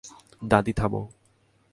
দাদী, থামো!